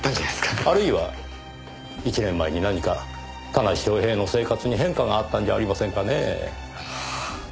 あるいは１年前に何か田無昌平の生活に変化があったんじゃありませんかねぇ？